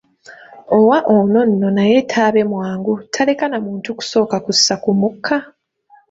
Owa ono nno naye taabe mwangu, taleka na muntu kusooka kussa ku mukka!